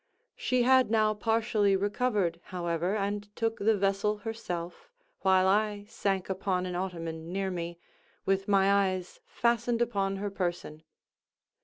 She had now partially recovered, however, and took the vessel herself, while I sank upon an ottoman near me, with my eyes fastened upon her person.